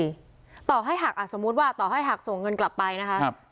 ใช่ต่อให้หักสมมุติว่าต่อให้หักส่งเงินกลับไปนะครับ